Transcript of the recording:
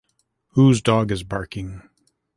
Whose dog is barking?